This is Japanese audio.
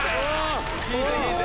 引いて引いて。